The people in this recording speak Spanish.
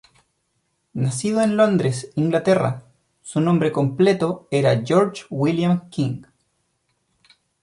Nacido en Londres, Inglaterra, su nombre completo era George William King.